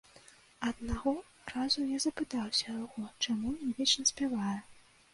Аднаго разу я запытаўся ў яго, чаму ён вечна спявае.